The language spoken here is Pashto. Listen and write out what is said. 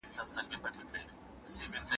که هدف روښانه وي نو هڅه نه کمزورېکیږي.